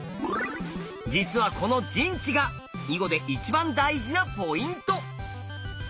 実はこの陣地が囲碁で一番大事なポイント。